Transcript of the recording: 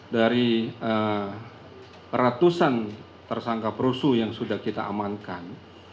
dari ratusan tersangka perusuh yang sudah kita amankan